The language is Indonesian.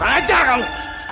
bukan ajar kamu